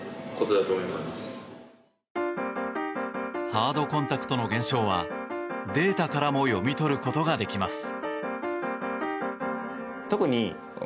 ハードコンタクトの減少はデータからも読み取ることができます。